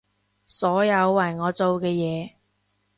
所有為我做嘅嘢